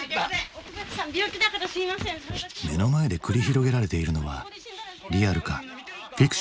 目の前で繰り広げられているのはリアルかフィクションか？